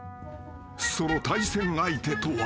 ［その対戦相手とは］